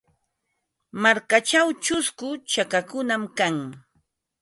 Markachaw chusku chakakunam kan.